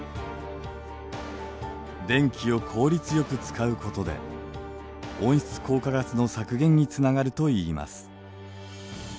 電気を効率よく使うことで温室効果ガスの削減につながるといいます。